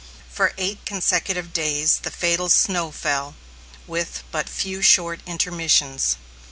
For eight consecutive days, the fatal snow fell with but few short intermissions.